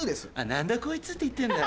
「何だこいつ」って言ってんだ。